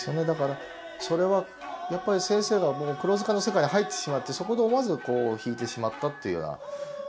だからそれはやっぱり先生がもう「黒塚」の世界に入ってしまってそこで思わずこう弾いてしまったっていうような。